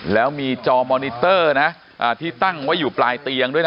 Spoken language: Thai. แล้วมีจอมอนิเตอร์นะที่ตั้งไว้อยู่ปลายเตียงด้วยนะ